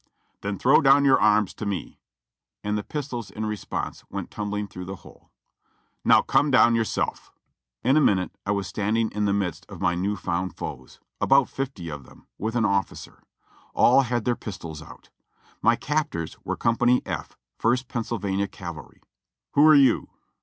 "Then throw down your arms to me." And the pistols in re sponse went tumbling through the hole. "Now come down yourself." In a minute I was standing in the midst of my new found foes, about fifty of them, with an officer. All had their pistols out. ]\Iy captors were Company F. First Pennsylvania Cavalry. "Who are you?"